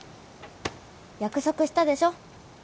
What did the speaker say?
約束したでしょ